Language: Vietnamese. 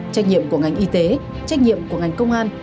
trách nhiệm của ngành y tế trách nhiệm của ngành công an